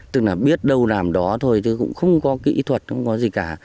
tức là biết đâu làm đó thôi chứ cũng không có kỹ thuật không có gì cả